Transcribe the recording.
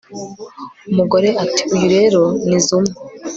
umugore ati uyu rero ni zuma